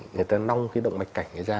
người ta nong cái động mạch cảnh ra